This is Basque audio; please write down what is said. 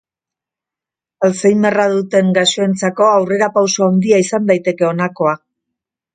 Alzheimerra duten gaixoentzako aurrerapauso handia izan daiteke honakoa.